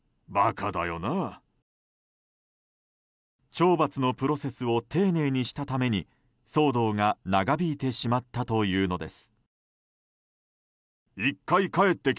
懲罰のプロセスを丁寧にしたために騒動が長引いてしまったというのです。